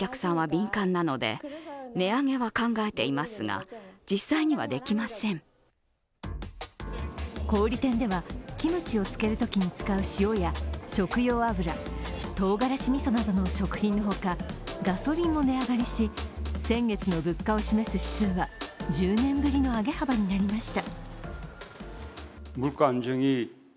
こちらの店は安さが売りですが小売店では、キムチを漬けるときに使う塩や食用油、とうがらしみそなどの食品のほかガソリンも値上がりし、先月の物価を示す指数は１０年ぶりの上げ幅になりました。